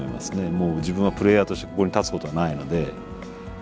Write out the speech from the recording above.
もう自分はプレーヤーとしてここに立つことはないので。